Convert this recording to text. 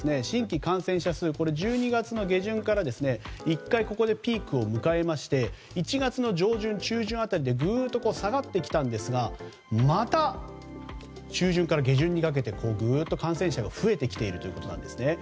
新規感染者数、１２月下旬から１回、ピークを迎えまして１月の上旬、中旬辺りでぐっと下がってきたんですがまた中旬から下旬にかけてぐっと感染者が増えてきているということです。